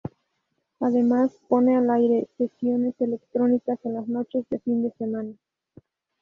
Además pone al aire sesiones electrónicas en las noches de fin de semana.